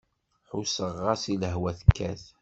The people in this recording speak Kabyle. Ḥusseɣ-as i lehwa tekkat.